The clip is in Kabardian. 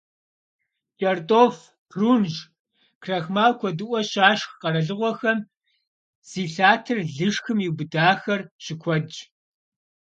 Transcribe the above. КӀэртӀоф, прунж, крахмал куэдыӀуэ щашх къэралыгъуэхэм зи лъатэр лышхым иубыдахэр щыкуэдщ.